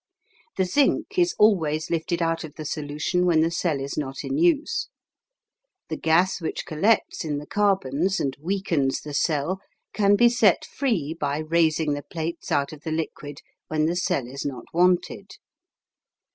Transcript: The zinc is always lifted out of the solution when the cell is not in use. The gas which collects in the carbons, and weakens the cell, can be set free by raising the plates out of the liquid when the cell is not wanted.